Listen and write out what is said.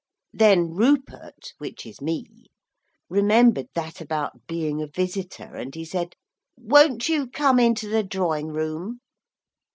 Then Rupert which is me remembered that about being a visitor, and he said: 'Won't you come into the drawing room?'